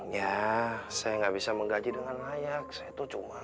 ya saya nggak bisa menggaji dengan layak saya itu cuma